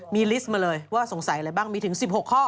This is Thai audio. มีลิสต์มาเลยว่าสงสัยอะไรบ้างมีถึง๑๖ข้อ